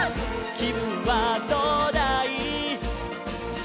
「きぶんはどうだい？」